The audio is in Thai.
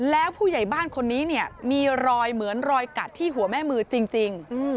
แล้วผู้ใหญ่บ้านคนนี้เนี่ยมีรอยเหมือนรอยกัดที่หัวแม่มือจริง